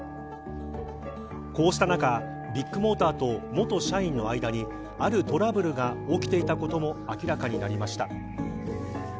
こうした中、ビッグモーターと元社員の間にあるトラブルが起きていたことも明らかになりました。